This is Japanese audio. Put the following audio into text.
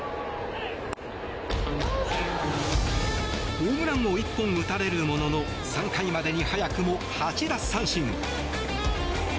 ホームランを１本、打たれるものの３回までに早くも８奪三振。